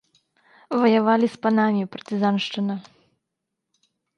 Ваявалі з панамі, партызаншчына.